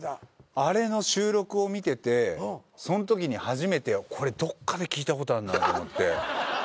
あれの収録を見ててそんときに初めてこれどっかで聞いたことあるなと思って。